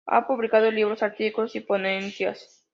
Ha publicado libros, artículos y ponencias.